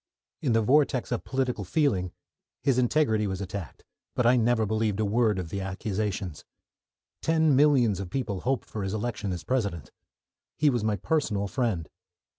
In the vortex of political feeling his integrity was attacked but I never believed a word of the accusations. Ten millions of people hoped for his election as President. He was my personal friend.